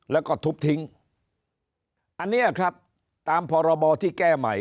แล้วก็ทุบทิ้งอันนี้ครับตามพรบที่แก้ใหม่